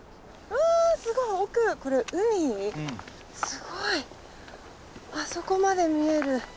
すごい！あそこまで見える。